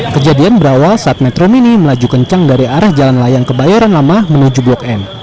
kejadian berawal saat metro mini melaju kencang dari arah jalan layang kebayoran lama menuju blok m